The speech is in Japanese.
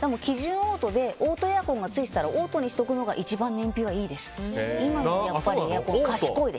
オートエアコンがついていたらオートにしておくのが一番燃費がいいです。